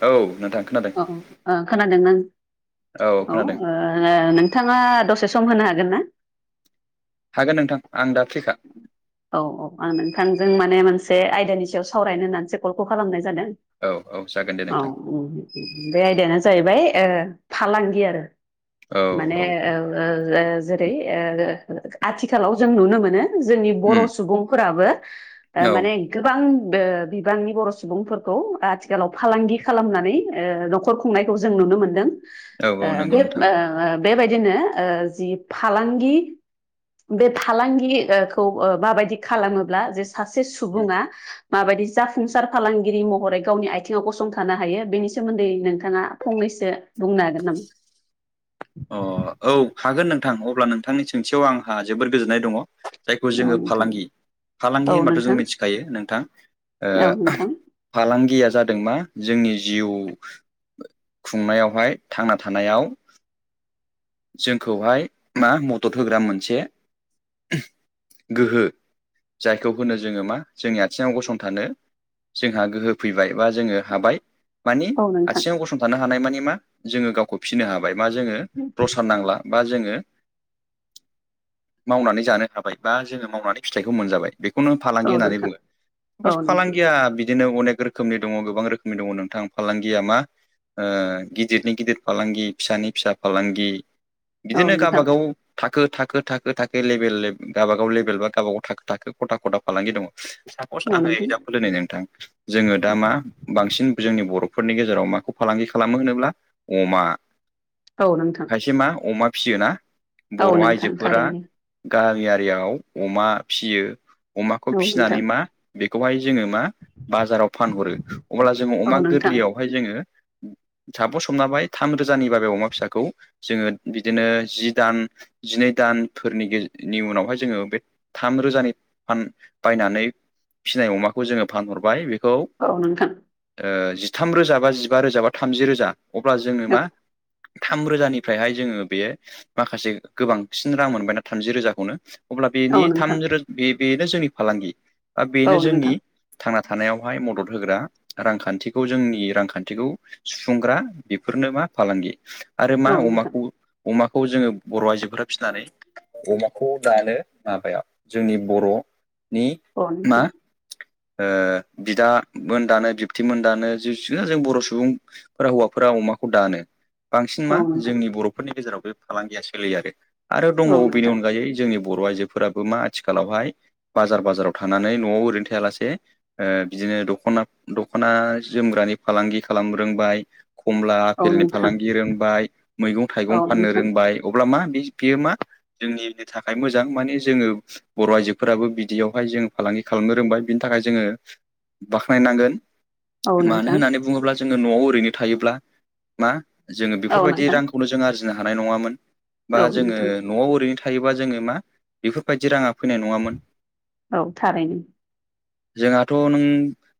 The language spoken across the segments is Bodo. औ नोंथां खोनादों औ खोनादों नों औ ओ नोंथाङा दसे सम होनो हागोन ना हागोन नोंथां आं दा फ्रिखा औ औ आं नोंथांजों माने मोनसे आयदानि सायाव सावरायनो होननानैसो कलखौ खालामनाय जादों औ औ जागोन दे औ नोंथां बुं बे आयदायानो जाहैबाय ओ फालांगि आरो औ माने औ जेरै आथिखालाव जों नुनो मोनो जोंनि बर उम सुबुंफोराबो औ माने गोबां बे बिबांनि बर सुबुंफोरखौ आथिखालाव फालांगि खालामनानै ओ नखर खुंनायखौ जों नुनो मोनदों। औ औ ओ नंगौ बे नोंथां ओ बेबायदिनो ओ जि फालांगि बे फालांगि ओ खौ ओ माबायदि खालामोब्ला जे सासे सुबुङा उम माबायदि जाफुंसार फालांगिरि महरै गावनि आथिङाव गसंथानो हायो बेनि सोमोन्दै नोंथाङा फंनैसो बुंनो हागोन नामा? अ औ हागोन नोंथां अब्ला नोंथांनि सोंथियाव आंहा जोबोर गोजोननाय दङ। जायखौ जोंङो फालांगि औ नोंथां फालांगि औ होनबाथ' जों नोंथां मिथिखायो नोंथां, ओ फालांगिया जादों मा जोंनि जिउ खुंनायावहाय थांना थानायाव जोंखौहाय मा मदद होग्रा मोनसे गोहो जायखौ होनो जोंङो मा जोंनि आथिङाव गसंथानो जोंहा गोहो फैबाय बा जोंङो हाबाय मानि औ नोंथां आथिङाव गसंथानो हानाय मानि मा जोंङो गावखौ फिसिनो हाबाय। मा जोंङो औ ला बा जोंङो मावनानै जानो हाबाय बा जोंङो मावनानै फिथाइखौ मोनजाबाय। बेखौनो फालांगि होननानै नोंथां बुङो औ सापस फालांगिया बिद दिनो अनेक रोखोमनि दङ गोबां रोखोमनि दङ नोंथां फालांगिया मा ओ गिदिरनि गिदिर फालांगि फिसानि फिसा फालांगि बिदिनो नोंथां गाबागाव थाखो थाखो थाखो थाखो लेभेल लेभ गावबागाव लेभेल बा गावबागाव थाखो थाखो खथा खथा फालांगि दङ। सापस औ नोंथां आंङो एगजामपोल होनो नोंथां जोंङो दा मा बांसिन जोंनि बर' फोरनि गेजेराव माखौ फालांगि खालामो होनोब्ला अमा औ नोंथां औ नोंथां औ नोंथां खायसे मा अमा फियो ना औ बर' नोंथां आइजोफोरा थारैनो गामियारियाव अमा फिसियो अमाखौ औ फिसिनानै नोंथां मा बेखौहाय जोंङो मा बाजाराव फानहरो अब्ला जोंङो औ अमा नोंथां गोरलैयावहाय जोंङो सापस [inaudible] थाम रोजानि बाबै अमा फिसाखौ, जोंङो बिदिनो जि दान जिनै दानफोरनिनि उनावहाय जोंङो बे थाम रोजानि फान बायनानै फिननाय अमाखौ जोंङो फानहरबाय खौ ओ औ नोंथां जिथाम रोजा बा जिबा रोजा बा थामजि रोजा अब्ला जोंङो मा औ थाम रोजानि ओमफ्रायहाय जोङो बेयो माखासे गोबांसिन रां मोनबायना थामजि रोजाखौनो अब्ला बेनि थाम नोंथां रोज बे बेनो जोंनि फालांगि। बा औ नोंथां बेनो औ नोंथां जोंनि थांना थानायावहाय मदद होग्रा रांखान्थिखौ जोंनि रांखान्थिखौ सुफुंग्रा बेफोरनो मा फालांगिव आरो औ मा अमा नोंथां अमाखौ जोङो बर' आइजोफोरा फिसिनानै अमाखौ दानो माबायाव जोंनि बर'नि औ मा नोंथां ओ बिदामोन दानो बिबथैमोन दानो जों जोंसो बर' सुबुंफोरा हौवाफोराव अं अमाखौ दानो। बांसिन औ मा नोंथां जोंनि बर'फोरनि गेजेराव बे फालांगिया सोलियो आरो। आरो दंबावो बेनि औ अनगायै जोंनि बर' आइजोफोराबो मा आथिालावहाय बाजार बाजाराव थानानै न'आव ओरैनो थायालासे ओ‌ बिदि नो दखना- दख'ना जोमग्रानि फालांगि खालाम रोंबाय, कमला नोंथां आफेलनि फालांगि रोंबाय, मैगं थाइगं औ फाननो नोंथां रोंबाय, अब्ला मा बिज बियो मा जोंनिनि थाखाय मोजां माने जोङो बर' आइजोफोराबो बिदियावहाय जों फालांगि गि खालामनो रोंबाय बिनि थाखाय जोङो बाख्नायनांगोन। औ मानो नोंथां होननानै बुङोब्ला जोङो न'आव ओरैनो थायोब्ला मा जोङो औ बेफोरबायदि नोंथां रांख जों आरजिनो हानाय नङामोन। बा औ जोङो नोंथां न'आव ओरैनो थायोबा जोङो मा बिफोरबादि रांङा औ थारैनो। जोंहाथ' नों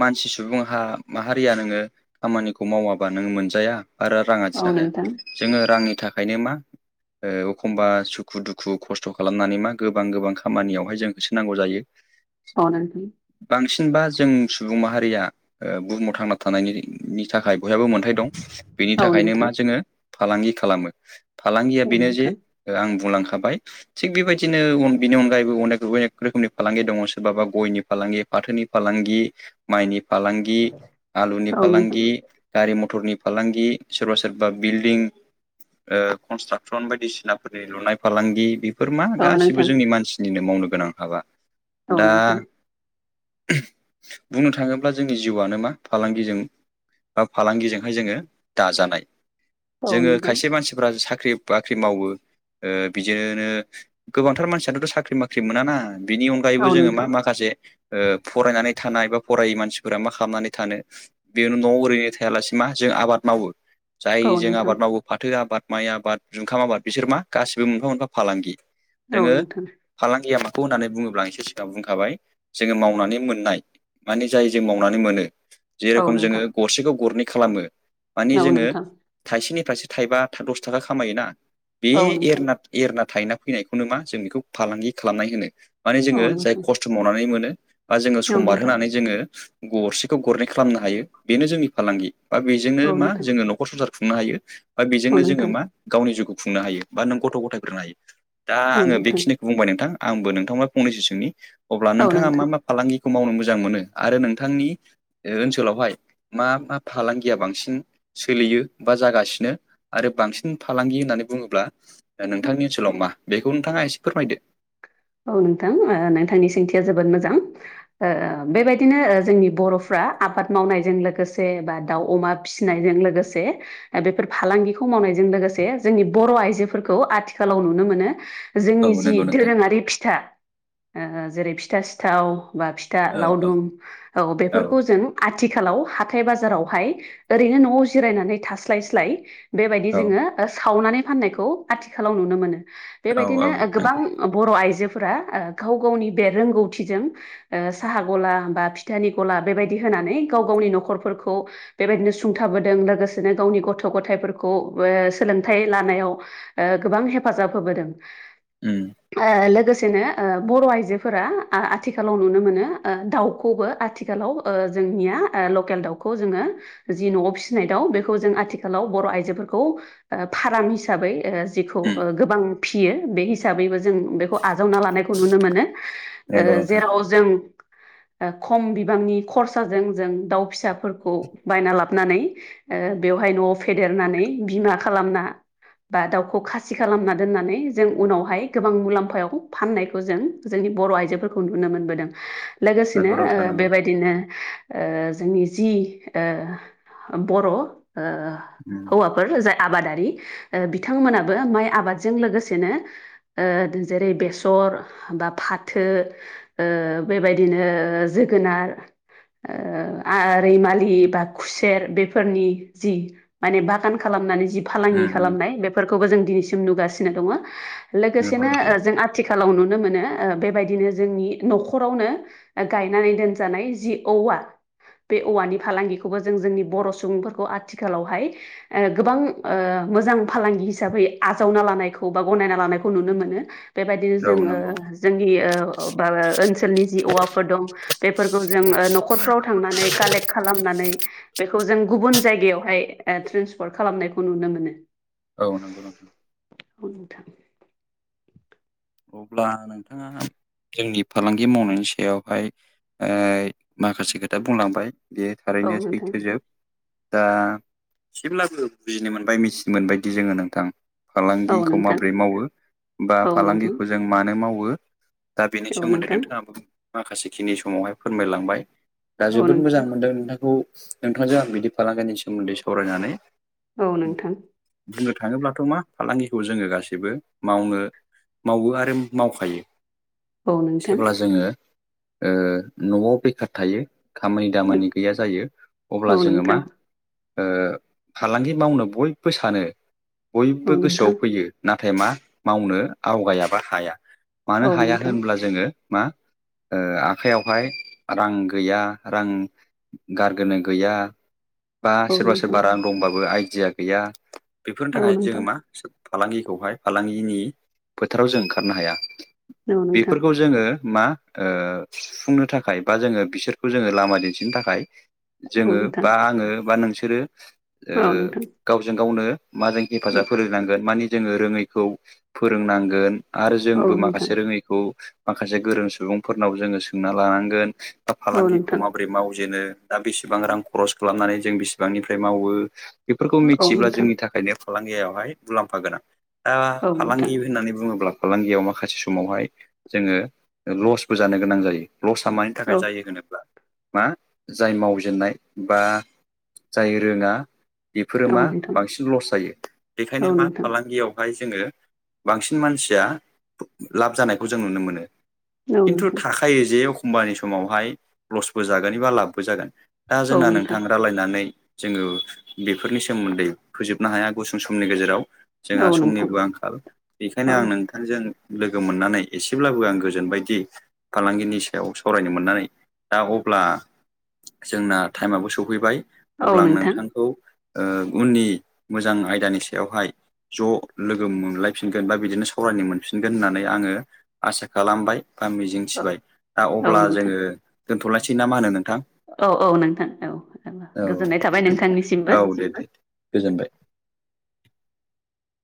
मानसि सुबुं हा माहारिया नोङो खामानिखौ मावाबा नों मोनजाया। आरो रां औ आरजिनो‌ हाया। नोंथां जोङो रांनि थाखायनो मा ओ एखम्बा सुखु दुखु खस्थ' खालामनानै मा गोबां गोबां खामानियावहाय जों होसो नांगौ जायो। औ नोंथां। बांसिनबा जों सुबुं माहारिया ओ बुहुमाव थांना थानायनि थाखाय बयहाबो मोनथायाइ दं बेनि औ थाखायनो नोंथां मा जोङो फालांगि खालामो। फालांगिया औ बेनो जे नोंथां आं बुंलांख थाबाय थिग बेबायदिनो बिनि अनगायैबो अनेक अनेक रोखोमनि फालांगि दङ सोरबाबा गयनि फालांगि। फाथोनि फालांगि माइनि फालांगि आलुनि औ नोंथां फालांगि गारि मथरनि फालांगि सोरबा सोरबा बिल बिं ओ कनस्ट्राकसन बायदिसिनाफोरनि लुनाय फालांगि बेफोर मा औ गासिबो नोंथां जोंनि मानसिनिनो मावनो गोनां हाबा औ दा नोंथां [inaudible] बुंनो थाङोब्ला जोंनि जिउआनो मा फालांगिजों बा फालांगिजोंहाय जोङो दाजानाय औ जोङो खायसे मानसिफ्रा साख साख्रि बाख्रि मावो ओ बिदिनो गोबांथार मानसियानोथ' साख्रि बाख्रि मोनाना बिनि अनगायैबो जोङो मा नोंथां माखासे ओ फरायनानै थानाय बा फरायै मानसिफोरा मा खालामनानै थानो बेयावनो नआव ओरैनो थायालासिनो मा जों आबाद मावो। औ नोंथां औ जाय जों आबाद मावो फाथो आबाद माइ आबाद जुखाम आबाद बिसोर मा गासिबो मोनफा मोनफा फालांगि। जोङो नोंथां फालांगिया मा बेखौ होननानै बुङोब्ला इसेर सिगाङाव बुंखाबाय जोङो मावनानै मोननाय माने जाय जों मावनानै मोनो औ नोंथां औ जेरेखम जोङो नोंथां गरसेखौ गरनै खालामो माने औ जोङो नोंथां थाइसेनिफ्रायासो थाइबा दस थाखा खामायोना बे औ नोंथां औ नोंथां औ नोंथां औ नोंथां औ नोंथां एरना एरना थाइना फैनायखौनो मा जों बेखौ फालांगि खालामनाय होनो माने औ जोङो जाय नोंथां खस्थ' मावनानै मोनो बा जोङो समबार होनानै जोङो गरसेखौ गरनै खालामनो हायो बेनो जोंनि फालांगि बा बेजोंनो मा जोङो न'खर संसार खुंनो हायो बा बेजोंनो जोङो मा गावनि जिउखौ खुंनो हायो बा नों गथ' गथायफोरोंनो हायो दा आङो बेखिनिखौ बुंबाय नोंथां। आंबो नोंथांनाव फंनैसो सोंनि अब्ला औ नोंथाङा नोंथां मा मा फालांगि खौ मावनो मोजां मोनो आरो नोंथांनि ओ ओनसोलावहाय मा मा फालांगिया बांसिन सोलियो बा जागासिनो आरो बांसिन फालांगि होननानै बुङोब्ला नोंथांनि ओनसोलाव मा बेखौ नोंथाङा आ एसे फोरमायदो। औ नोंथां ओ नोंथांनि सोंथिया जोबोद मोजां ओ बेबायदिनो जोंनि बर'फ्रा आबाद मावनायजों लोगोसे बा दाउ अमा फिसिनायजों लोगोसे बेफोर फालांगिखौ माव मावनायजों लोगोसे जोंनि बर' आइजोफोरखौ आथिखालाव नुनो मोनो। औ जोंनि जि नंगौ नोंथां दोरोङारि फिथा ओ जेरै फिथा सिथाव बा फिथा औ औ लावदुम औ बेफोरखौ जों आंथ आथिखालाव हाथाय बाजारावहाय ओरैनो न'आव जिरायनानै थास्लायस्लाय बेबायदि जोङो सावनानै फाननायखौ आथिखालाव नुनो मोनो। औ औ बेबायदिनो गोबां बर' आइजो आजोफोरा ओ गाव गावनि बे रोंगथिजों ओ साहा गला बा फिथानि गला बेबायदि होनानै गाव गावनि न'खरफोरखौ बेबायदिनो सुंथाबोदों लोगोसेनो गावनि गथ' गथायफोरखौ ओ सोलोंथाइ लानायाव ओ गोबां हेफाजाब होबोदों उम ओ लोगोसे ओ बर' आइजोफोरा आथिखालाव नुनो मोनो ओ दाउखौबो आथिखालाव ओ जोंनि ना ओ लकेल दाउखौ जोङो जि न'आव फिसिनाय दाउ बेखौ जों आथिखालाव बर' आइजोफोरखौ ओ फाराम हिसाबै ओ बिखौ उम गोबां फियो बे हिसाबैबो जों बेखौ आजावना लानायखौ नुनो मोनो। नंगौ ओ नोंथां जेराव जों खम बिबांनि खरसाजों जों दाउ फिसाफोरखौ बायना लाबोनानै ओ बेयाव ओमाफाय न'आव फेदेरनानै बिमा खालामना बा दाउखौ खासि खालामना दोननानै जों उनावहाय गोबां मुलाम्फायाव फाननायखौ जों जोंनि बर' आइजोफोरखौ नुनो मोनबोदों। लोगोसेनो नंगौ नोंथां ओ नंगौ बेबायदिनो ओ जोंनि जि ओ बर' ओ उम हौवाफोर जाय आबादारि। बिथांमोनाबो माइ आबादजों लोगोसेनो ओ जेरै बेसर बा फाथो ओ बेबायदिनो जोगोनार ओ आ रैमालि बा खुसेर बेफोरनि जि माने बागान खालामनानै [unintelligible] जि फालांगि उम खालामनाय बेफोरखौबो जों दिनैसिम नुगासिनो दङ। नंगौ लोगोसेनो नोंथां ओ जों आथिखालाव नुनो मोनो ओ बेबायदिनो जोंनि न'खरावनो गायनानै दोनजानाय जि [unintelligible] औवा। बे औवानि फालांगिखौबो जों जोंनि बर' सुबुंफोरखौ आथिखालावहाय ओ गोबां ओ मोजां फालांगि हिसाबै आजावना लानायखौ बा गनायना लानायखौ नुनो मोनो। बेबायदिनो औ जोङो, नंगौ जोंनि ओनसोलनि जि औवाफोर दं बेफोरखौ जों न'खरफ्राव थांनानै कालेक्ट खालामनानै बेखौ जों गुबुन जायगायावहाय ओ ट्रेन्सपर्ट खालामनायखौ नुनो मोनो। औ नंगौ नोंथां। औ अब्ला नोंथाङा जोंनि फालांगि मावनायनि सायावहाय ओ माखासे खोथा बुंलांबाय। बे थारैनो नोंथां सैथोजोब दा एसेब्लाबो बुजिनो मोनबाय, मिथिनो मोनबायदि जोङो नोंथां। औ फालांगिखौ नोंथां माबोरै मावो बा औ नोंथां फालांगिखौ जों मानो मावो। दा बेनि औ सोमोन्दै नोंथां नोंथाङाबो माखासे खिनि समावहाय फोरमायलांबाय। दा औ जोबोद मोजां नोंथां मोनदों नोंथांखौ नोंथांजों आं बिदि फालांगिनि सोमोन्दै सावरायनानै। औ नोंथां। हायोब्लाथ' मा फालांगिखौ जोङो गासैबो मावनो मावो आरो मावखायो। औ नोंथां जेब्ला जोङो ओ न'आव बेखार थायो। खामानि दामानि गैया जायो। अब्ला औ नोंथां औ जोङो मा नोंथां ओ फालांगि मावनो बयबो सानो, बयबो औ गोसोआव नोंथां फैयो [unintelligible] नाथाय मा मावनो आवगायाबा हाया। मानो औ हाया नोंथां होनब्ला जोङो मा ओ आखायावहाय रां गैया। रां गारगोनो गैया। बा औ सोरबा - नोंथां सोरबा रां दंबाबो आइडिया गैया। बेफोरनि औ थाखायनो जोङो नोंथां मा फालांगिखौहाय फालांगिनि फोथाराव जों ओंखारनो हाया। औ नोंथां बेफोरखौ जोङो मा ओ सुफुंनो थाखाय बा जोङो बिसोरखौ जोङो लामा दिन्थिनो थाखाय औ जोङो नोंथां बा आङो बा नोंसोरो ओ औ नोंथां गावजों - गावनो मा जों हेफाजाब फोरोंनांगोन मानि जोङो रोङैखौ फोरोंनांगोन। आरो औ जोंबो नोंथां माखासे रोङैखौ माखासे गोरों, सुबुंफोरनाव जोङो सोंना लानांगोन। दा औ फालांगिखौ नोंथां माबोरै मावजेनो। दा बेसेबां रां खरस खालामनानै जों बेसिबांनिफ्राय मावो। बेफोरखौ औ मिथियोब्ला नोंथां जोंनि थाखायनो फालांगियावहाय मुलाम्फा गोनां। दा औ नोंथां फालांगि होननानै बुङोब्ला फालांगियाव माखासे समावहाय जोङो लसबो जानो गोनां जायो। लसआ मानि औ थाखाय जायो होनोब्ला मा जाय मावजेननाय बा जाय रोङा बेफोरो मा औ नोंथां बांसिन लस जायो। औ बेखायनो मा नोंथां फालांगियावहाय जोङो बांसिन मानसिया लाब जानायखौ जों नुनो मोनो। औ नोंथां औ खिन्थु थाखायो जे एखम्बानि समावहाय लसबो जागोन एबा लाबबो जागोन। दा जोंना नोंथां रालायनानै। जोङो बेफोरनि सोमोन्दै फोजोबनो हाया गुसुं समनि गेजेराव। औ नोंथां औ जोंहा नोंथां समनिबो आंखाल। बेखायनो आं औ नोंथांजों लोगो मोननानै एसेब्लाबो आं गोजोनबायदि, फालांगिनि सायाव सावरायनो मोननानै। दा अब्ला जोंना टाइमाबो सौफैबाय। औ अब्ला आं नोंथां औ नोंथांखौ ओ उननि मोजां आयदानि सायावहाय ज' लोगो मोमलाय -फिनगोन बा बिदिनो सावरायनो मोनफिनगोन होननानै आङो आसा खालामबाय। बा मिजिंथिबाय। दा अब्ला जोङो दोनथ'लायसै ना मा होनो [unintelligible] थां औ नोंथां औ गोजोननाय थाबाय नोंथांनिसिमबो औ औ दे दे। गोजोनबाय। [inaudible]